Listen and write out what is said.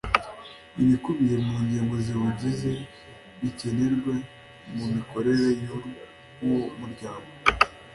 ibikubiye mu ngingo ziwugize bikenerwe mu mikorere y uwo muryango